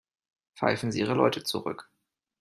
Pfeifen Sie Ihre Leute zurück.